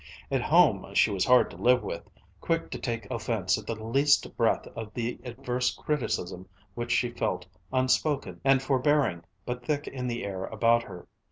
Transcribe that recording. At home she was hard to live with, quick to take offense at the least breath of the adverse criticism which she felt, unspoken and forbearing but thick in the air about her.